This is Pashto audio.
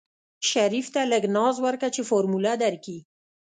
شريف ته لږ ناز ورکه چې فارموله درکي.